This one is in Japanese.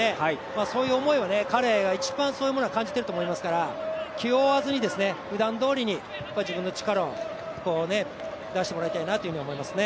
そういう思いを彼が一番そういうものを感じていると思いますから気負わずにふだんどおりに自分の力を出してもらいたいなと思いますね。